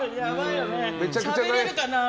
しゃべられるかな。